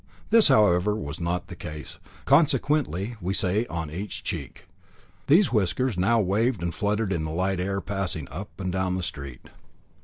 This, however, was not the case, consequently we say on each cheek. These whiskers now waved and fluttered in the light air passing up and down the street.